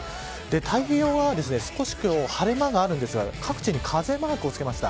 太平洋側は少し晴れ間があるんですが各地に風マークをつけました。